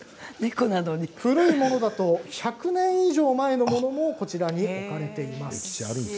古いものだと１００年以上前のものもこちらに置かれています。